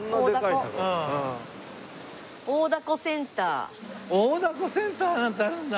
「大凧センター」大凧センターなんてあるんだ。